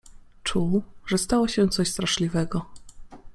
Czuł, że stało się coś straszliwego.